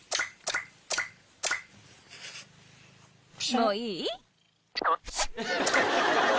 もういい？